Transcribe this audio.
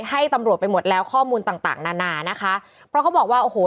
ให้ตำรวจไปหมดแล้วข้อมูลต่างต่างนานานะคะเพราะเขาบอกว่าโอ้โห